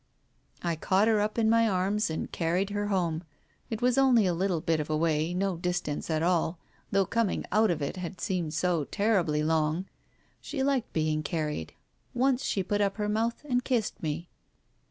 I caught her up in my arms, and carried her home, ;t was only a little bit of a way, no distance at all, though coming out it had seemed so terribly long. She liked being carried. Once she put up her mouth and kissed me.